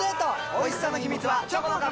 おいしさの秘密はチョコの壁！